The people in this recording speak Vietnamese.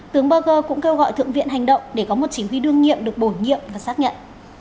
tướng burger cũng kêu gọi thượng viện hành động để có một chỉ huy đương nhiệm được bổ nhiệm và xác nhận